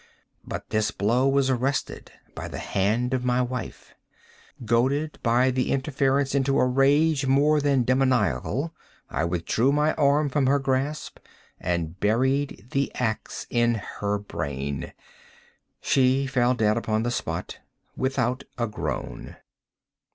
But this blow was arrested by the hand of my wife. Goaded, by the interference, into a rage more than demoniacal, I withdrew my arm from her grasp and buried the axe in her brain. She fell dead upon the spot, without a groan.